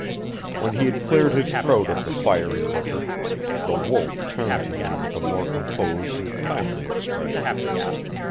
When he had cleared his throat of the fiery liquor, the Wolf turned to me with a more composed and kindly expression.